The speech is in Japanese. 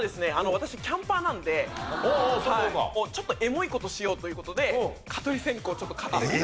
私キャンパーなんでちょっとエモい事しようという事で蚊取り線香を買ってみた。